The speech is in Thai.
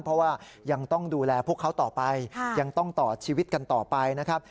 เพราะว่ายังต้องดูแลพวกเขาต่อไปยังต้องต่อชีวิตกันต่อไปนะครับ